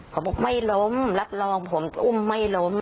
เขาบอกไม่ล้มรับรองผมอุ้มไม่ล้ม